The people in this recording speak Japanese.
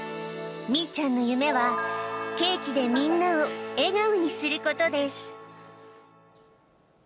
みいちゃんの夢は、ケーキでみんなを笑顔にすることです。